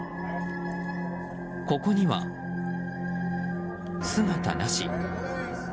ここには、姿なし。